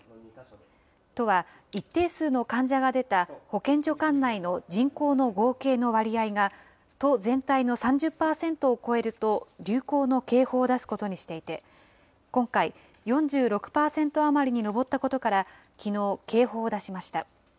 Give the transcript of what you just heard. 都は一定数の患者が出た保健所管内の人口の合計の割合が、都全体の３０％を超えると流行の警報を出すことにしていて、今回、４６％余りに上ったことから、きのう、警報を出しました。